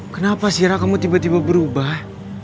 kenapa sih ra kamu tiba tiba berubah